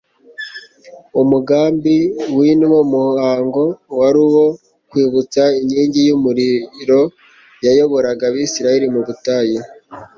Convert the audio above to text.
Umugambi w'nwo muhango wari uwo kwibutsa inkingi y'umuriro yayoboraga abisiraeli mu butayu.